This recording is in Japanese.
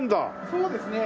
そうですね。